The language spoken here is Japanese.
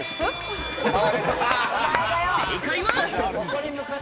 正解は。